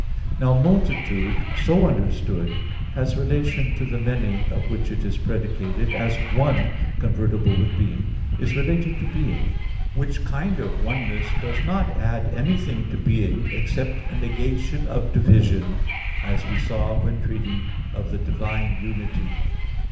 Now multitude so understood has relation to the many of which it is predicated, as "one" convertible with "being" is related to being; which kind of oneness does not add anything to being, except a negation of division, as we saw when treating of the divine unity (Q.